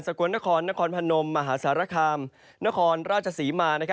กวนนครนครพนมมหาสารคามนครราชศรีมา